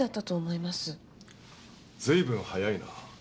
随分早いな。